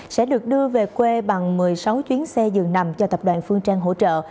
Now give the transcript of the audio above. sẽ được đưa về quê bằng một mươi sáu chuyến xe dường nằm do tập đoàn phương trang hỗ trợ